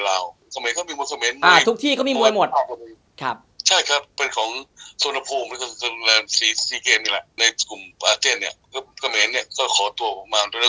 ในกลุ่มอะเทียนก็ขอตัวผมมา